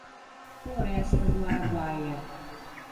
Floresta do Araguaia